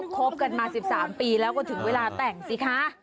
คบกันมา๑๓ปีแล้วก็ถึงเวลาแต่งสิคะ